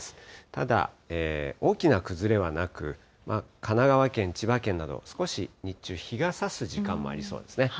ただ、大きな崩れはなく、神奈川県、千葉県など、少し日中、日がさす時間もありそうですね。